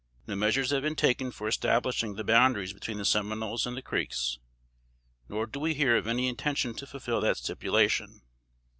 No measures had been taken for establishing the boundaries between the Seminoles and the Creeks; nor do we hear of any intention to fulfill that stipulation.